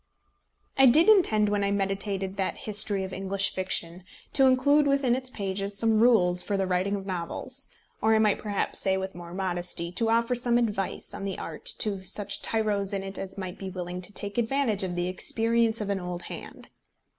I did intend when I meditated that history of English fiction to include within its pages some rules for the writing of novels; or I might perhaps say, with more modesty, to offer some advice on the art to such tyros in it as might be willing to take advantage of the experience of an old hand.